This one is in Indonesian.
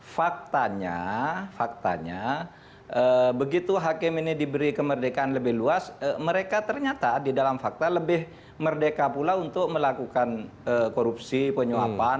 faktanya faktanya begitu hakim ini diberi kemerdekaan lebih luas mereka ternyata di dalam fakta lebih merdeka pula untuk melakukan korupsi penyuapan